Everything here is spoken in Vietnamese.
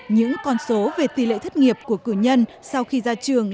những con số về tỷ lệ thất nghiệp của cử nhân sau khi ra trường